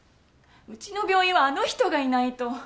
うちの病院はあの人がいないと。